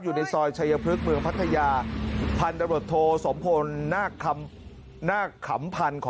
อยู่ในซอยชายพฤษเมืองภัทยาพันธรรมดโทสมพลหน้าคำหน้าขำพันขอ